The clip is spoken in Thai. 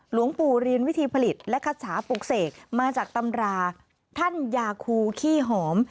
หลวงปู่เรียนวิธีผลิตและคาถาปลูกเสกมาจากตำราท่านยาคูขี้หอม